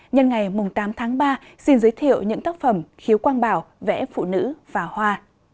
nhân ngày tám tháng ba xin giới thiệu những tác phẩm khiếu quang bảo vẽ phụ nữ và hoa